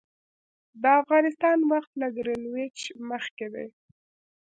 د افغانستان وخت له ګرینویچ مخکې دی